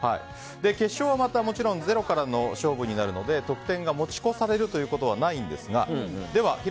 決勝は、またゼロからの勝負になるので得点が持ち越されることはないんですがでは